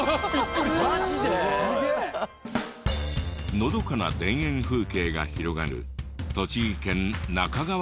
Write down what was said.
のどかな田園風景が広がる栃木県那珂川町。